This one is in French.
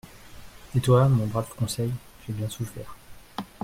Et toi, mon brave Conseil, tu as bien souffert.